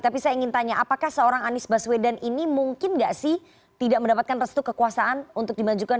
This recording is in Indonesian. tapi saya ingin tanya apakah seorang anies baswedan ini mungkin nggak sih tidak mendapatkan restu kekuasaan untuk dimajukan